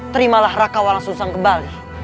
terimalah ra kawa walang susam kembali